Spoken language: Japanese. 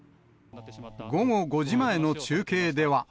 午後５時前の中継では。